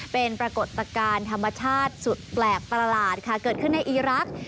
เป็นปรากฏการณ์ธรรมชาติสุดแปลกประหลาดค่ะเกิดขึ้นในอีรักษ์